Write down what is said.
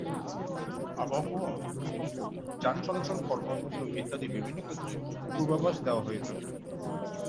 আবহাওয়া, ভূমিকম্প, যান চলাচল, কর্মক্ষেত্র ইত্যাদি বিভিন্ন ক্ষেত্রে পূর্বাভাস দেওয়া হয়ে থাকে।